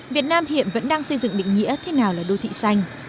việt nam hiện vẫn đang xây dựng định nghĩa thế nào là đô thị xanh